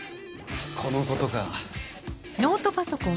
このことか。